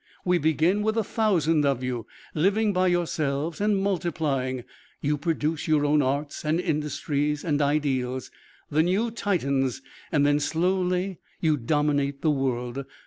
We begin with a thousand of you. Living by yourselves and multiplying, you produce your own arts and industries and ideals. The new Titans! Then slowly you dominate the world.